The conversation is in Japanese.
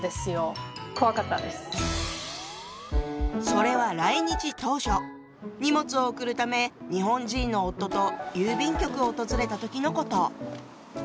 それは来日当初荷物を送るため日本人の夫と郵便局を訪れた時のこと。